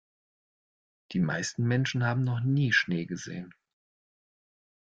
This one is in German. Die meisten Menschen haben noch nie Schnee gesehen.